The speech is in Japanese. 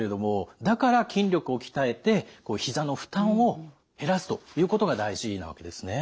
だから筋力を鍛えてひざの負担を減らすということが大事なわけですね。